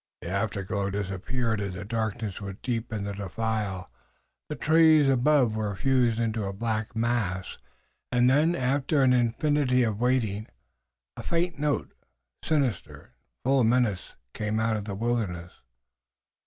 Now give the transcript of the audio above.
The afterglow disappeared and the darkness was deep in the defile. The trees above were fused into a black mass, and then, after an infinity of waiting, a faint note, sinister and full of menace, came out of the wilderness.